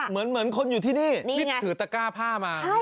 เหมือนคนอยู่ที่นี่รีบถือตะก้าผ้ามา